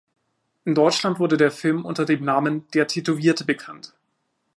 In Deutschland wurde der Film unter dem Namen "Der Tätowierte" bekannt.